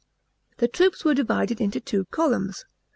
The troops were divided into two columns.